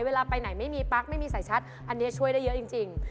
เวลาไปไหนไม่มีปั๊กไม่มีสายชัดอันนี้ช่วยได้เยอะจริง